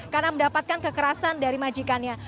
karena mendapatkan kekerasan dari majikannya